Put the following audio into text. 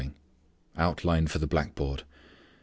OUTLINE FOR BLACKBOARD.